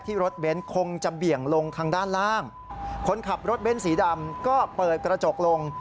รถเบนท์คงจะเบี่ยงลงทางด้านล่างคนขับรถเบ้นสีดำก็เปิดกระจกลง